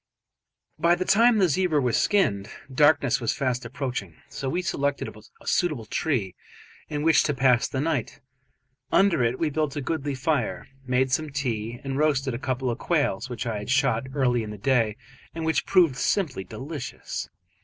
By the time the zebra was skinned, darkness was fast approaching, so we selected a suitable tree in which to pass the night. Under it we built a goodly fire, made some tea, and roasted a couple of quails which I had shot early in the day and which proved simply delicious.